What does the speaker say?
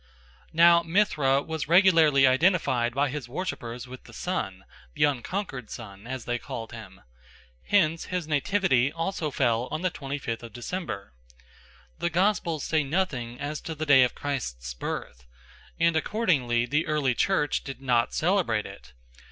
Now Mithra was regularly identified by his worshippers with the Sun, the Unconquered Sun, as they called him; hence his nativity also fell on the twenty fifth of December. The Gospels say nothing as to the day of Christ's birth, and accordingly the early Church did not celebrate it.